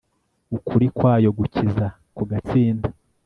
ukuri kwayo gukiza kugatsinda